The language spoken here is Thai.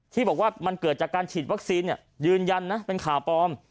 ที่บอกว่ามันเกิดจากการฉีดวัคซีนยืนยันนะเป็นข่าวปลอม